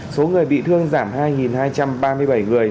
số người bị thương giảm hai hai trăm ba mươi bảy người